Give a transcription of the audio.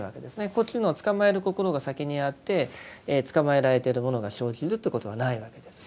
こっちのつかまえる心が先にあってつかまえられてるものが生じるってことはないわけです。